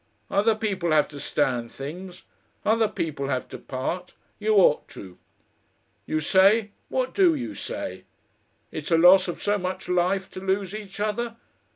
Other people have to stand things! Other people have to part. You ought to. You say what do you say? It's loss of so much life to lose each other.